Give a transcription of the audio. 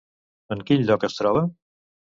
En quin lloc es troba?